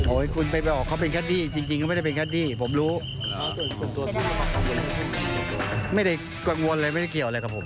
โอ้ยคุณไปบอกเขาเป็นแค่นี้จริงก็ไม่ได้เป็นแค่นี้ผมรู้ไม่ได้กังวลอะไรไม่เกี่ยวอะไรกับผม